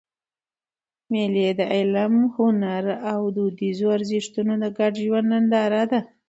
مېلې د علم، هنر او دودیزو ارزښتو د ګډ ژوند ننداره ده.